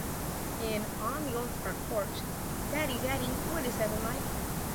In "On the Old Front Porch", "Daddy, Daddy, What is Heaven Like?